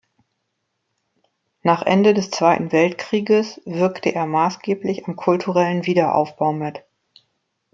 Nach Ende des Zweiten Weltkrieges wirkte er maßgeblich am kulturellen Wiederaufbau mit.